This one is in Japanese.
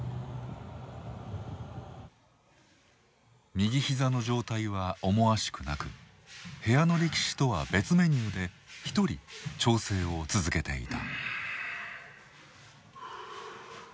右膝の状態は思わしくなく部屋の力士とは別メニューで一人調整を続けていた。